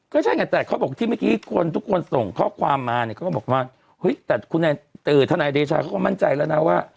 ก็ใช่ไงแต่เขาบอกที่เมื่อกี้คนทุกคนส่งข้อความมาเนี่ยเขาก็บอกว่าเฮ้ยแต่คุณทนายเดชาเขาก็มั่นใจแล้วนะว่า